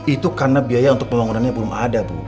itu karena biaya untuk pembangunannya belum ada bu